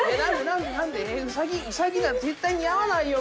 うさぎなんて絶対似合わないよ